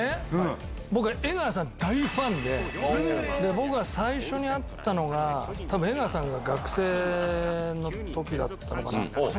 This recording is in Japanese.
僕江川さんの大ファンで僕が最初に会ったのが江川さんが学生の時だったのかな。